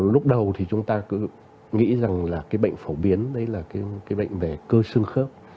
lúc đầu thì chúng ta cứ nghĩ rằng là cái bệnh phổ biến đấy là cái bệnh về cơ xương khớp